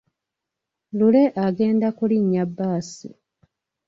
Lule agenda kulinnya bbaasi.